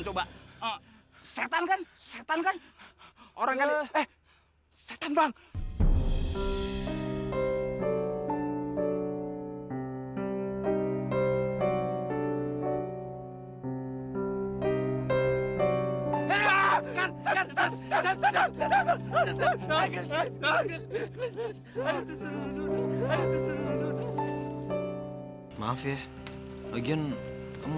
sobek aja ya